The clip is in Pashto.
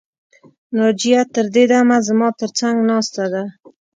ناجیه تر دې دمه زما تر څنګ ناسته ده